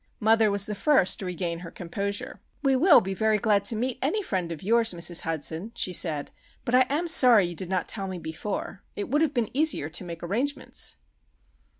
Mother was the first to regain her composure. "We will be very glad to meet any friend of yours, Mrs. Hudson," she said; "but I am sorry you did not tell me before. It would have been easier to make arrangements."